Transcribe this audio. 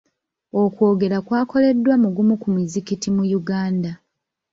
Okwogerwa kwakoleddwa mu gumu ku mizikiti mu Uganda.